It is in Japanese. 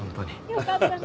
よかったね。